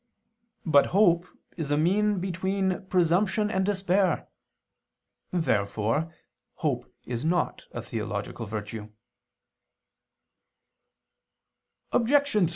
But hope is a mean between presumption and despair. Therefore hope is not a theological virtue.